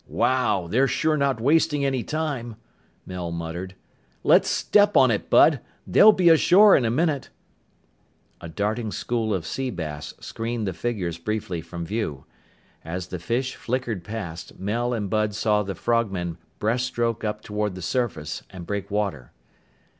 "Wow! They're sure not wasting any time!" Mel muttered. "Let's step on it, Bud! They'll be ashore in a minute!" A darting school of sea bass screened the figures briefly from view. As the fish flickered past, Mel and Bud saw the frogmen breast stroke up toward the surface and break water.